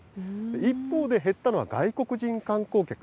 一方で減ったのは外国人観光客。